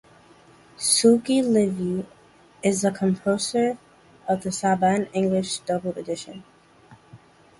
Shuki Levy is the composer for the Saban English-dubbed edition.